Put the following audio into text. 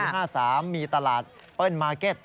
๕๓มีตลาดเปิ้ลมาร์เก็ต